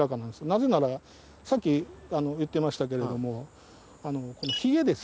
なぜならさっき言ってましたけれどもこのひげですね。